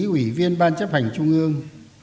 ủy viên ban chấp hành trung ương